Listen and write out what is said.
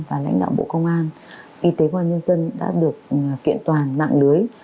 và lãnh đạo bộ công an y tế công an nhân dân đã được kiện toàn mạng lưới